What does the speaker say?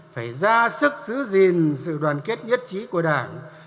phải ra sức giữ gìn sự đoàn kết nhất trí của đảng